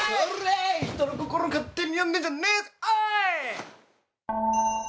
人の心勝手に読んでんじゃねえぞおい！